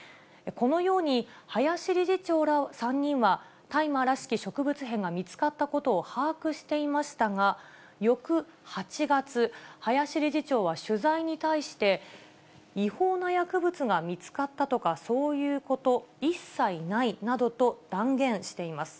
このように、林理事長ら３人は大麻らしき植物片が見つかったことを把握していましたが、翌８月、林理事長は取材に対して、違法な薬物が見つかったとか、そういうこと、一切ないなどと断言しています。